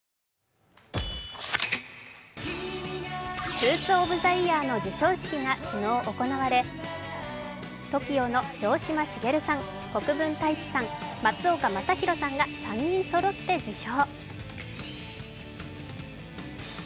ＳＵＩＴＯＦＴＨＥＹＥＡＲの授賞式が昨日、行われＴＯＫＩＯの城島茂さん、国分太一さん、松岡昌宏さんが３人そろって受賞。